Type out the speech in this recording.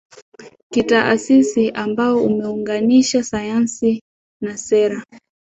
kitaasisi ambao umeunganisha sayansi na sera